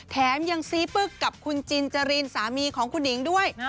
แถมยังซี้ปึ๊กกับคุณจินจรินสามีของคุณหนิงด้วย